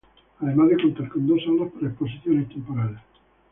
Además de contar con dos salas para exposiciones temporales.